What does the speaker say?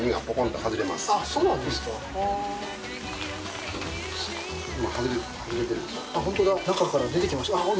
ほんとだ中から出てきました。